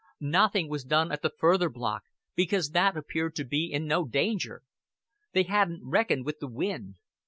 Nothing was done at the further block, because that appeared to be in no danger. They hadn't reckoned with the wind.